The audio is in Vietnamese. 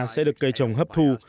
sẽ được cây trồng hấp thù